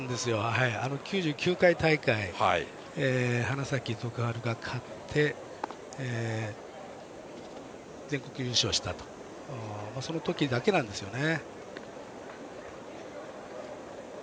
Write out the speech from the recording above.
９９回大会花咲徳栄が勝って全国優勝したとその時だけなんですよね。